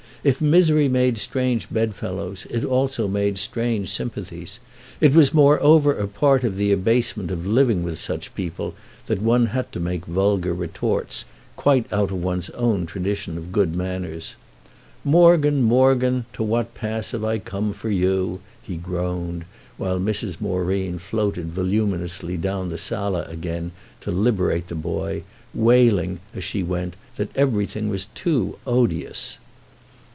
If misery made strange bedfellows it also made strange sympathies. It was moreover a part of the abasement of living with such people that one had to make vulgar retorts, quite out of one's own tradition of good manners. "Morgan, Morgan, to what pass have I come for you?" he groaned while Mrs. Moreen floated voluminously down the sala again to liberate the boy, wailing as she went that everything was too odious.